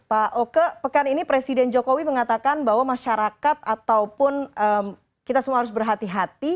pak oke pekan ini presiden jokowi mengatakan bahwa masyarakat ataupun kita semua harus berhati hati